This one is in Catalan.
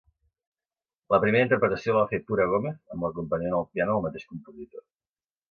La primera interpretació la va fer Pura Gómez amb l'acompanyament al piano del mateix compositor.